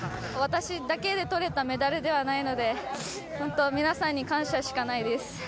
私だけでとれたメダルではないので、本当皆さんに感謝しかないです。